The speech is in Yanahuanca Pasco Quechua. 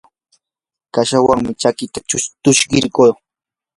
kashawanmi chakita tukshikurquu.